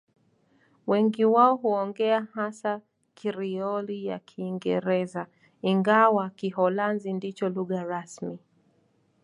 Wengi wao huongea hasa Krioli ya Kiingereza, ingawa Kiholanzi ndicho lugha rasmi.